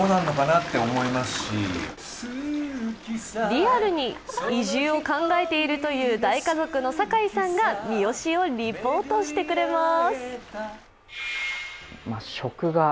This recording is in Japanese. リアルに移住を考えているという酒井さんが三次をリポートしてくれます。